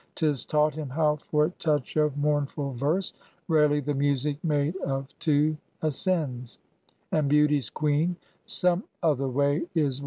'Tis taught him how for touch of mournful verse Rarely the music made of two ascends, And Beauty's Queen some other way is won.